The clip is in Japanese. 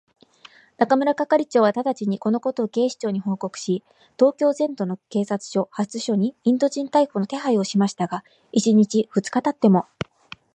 中村係長はただちに、このことを警視庁に報告し、東京全都の警察署、派出所にインド人逮捕の手配をしましたが、一日たち二日たっても、